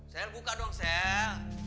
cel buka dong cel